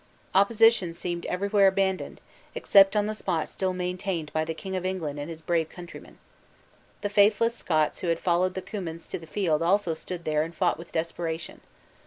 Opposition seemed everywhere abandoned, excepting on the spot still maintained by the King of England and his brave countrymen. The faithless Scots who had followed the Cummins to the field also stood there and fought with desperation.